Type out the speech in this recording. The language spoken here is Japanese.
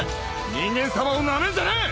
人間さまをなめんじゃねえ！